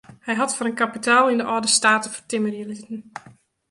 Hy hat foar in kapitaal yn de âlde state fertimmerje litten.